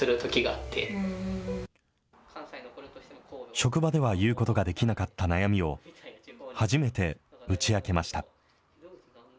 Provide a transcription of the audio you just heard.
職場では言うことができなかった悩みを、初めて打ち明けました。